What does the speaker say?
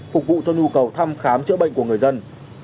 phục vụ cho nhu cầu thăm khám chữa bệnh của người dân